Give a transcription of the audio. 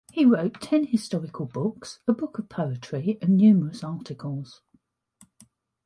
He wrote ten historical books, a book of poetry and numerous articles.